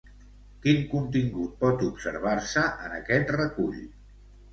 Quin contingut pot observar-se en aquest recull?